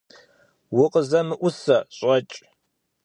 УкъызэмыӀусэ! ЩӀэкӀ!